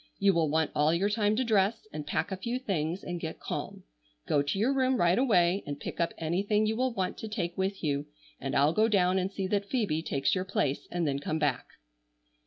You will want all your time to dress, and pack a few things, and get calm. Go to your room right away and pick up anything you will want to take with you, and I'll go down and see that Phoebe takes your place and then come back."